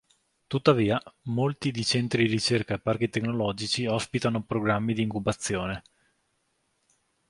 Tuttavia, molti di centri ricerca e parchi tecnologici ospitano programmi di incubazione.